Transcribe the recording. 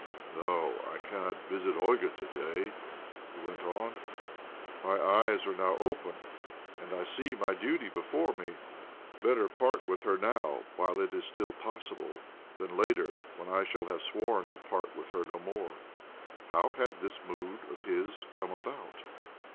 " No, I cannot visit Olga to day," he went on. " My eyes are now open, and I see my duty before me. Better part with her now, while it is still possible, than later, when I shall have sworn to part with her no more." How had this mood of his come about?